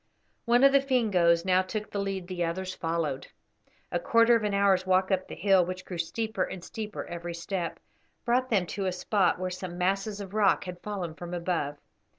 One of the Fingoes now took the lead; the others followed. A quarter of an hour's walk up the hill, which grew steeper and steeper every step, brought them to a spot where some masses of rock had fallen from above.